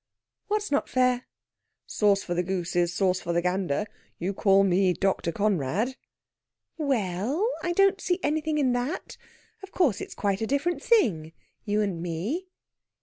"What's not fair?" "Sauce for the goose is sauce for the gander. You called me 'Dr. Conrad.'" "We ell, I don't see anything in that. Of course, it's quite a different thing you and me."